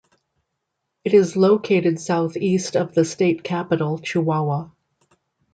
It is located southeast of the state capital, Chihuahua.